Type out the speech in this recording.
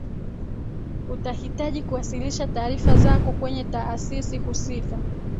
utahitaji kuwasilisha taarifa zako kwenye taasisi husika